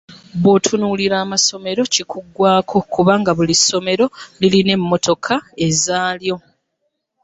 Bw’otunuulira amasomero kikuggwaako, kubanga buli ssomero lirina emmotoka ezaalyo.